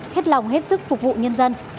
hết lòng hết sức phục vụ nhân dân